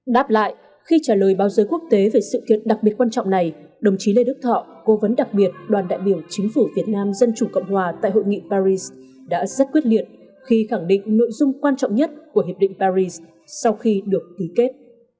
đáp lại khi trả lời báo giới quốc tế về sự kiện đặc biệt quan trọng này đồng chí lê đức thọ cố vấn đặc biệt đoàn đại biểu chính phủ việt nam dân chủ cộng hòa tại hội nghị paris đã rất quyết liệt khi khẳng định nội dung quan trọng nhất của hiệp định paris sau khi được ký kết